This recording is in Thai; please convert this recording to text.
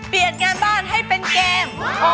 เปลี่ยนงานบ้านให้เป็นเกม